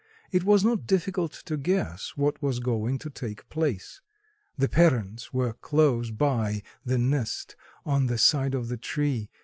It was not difficult to guess what was going to take place. The parents were close by the nest on the side of the tree.